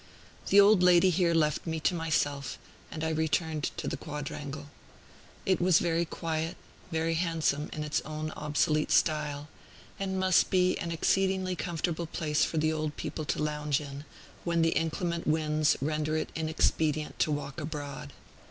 The old lady here left me to myself, and I returned into the quadrangle. It was very quiet, very handsome, in its own obsolete style, and must be an exceedingly comfortable place for the old people to lounge in, when the inclement winds render it inexpedient to walk abroad.